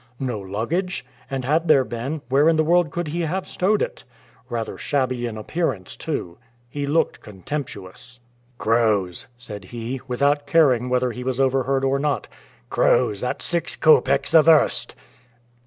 No luggage! and had there been, where in the world could he have stowed it? Rather shabby in appearance too. He looked contemptuous. "Crows," said he, without caring whether he was overheard or not; "crows, at six copecks a verst!"